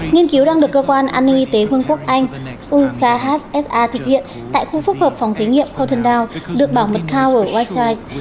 nghiên cứu đang được cơ quan an ninh y tế vương quốc anh usahsr thực hiện tại khu phúc hợp phòng thí nghiệm portendale được bảo mật cao ở westside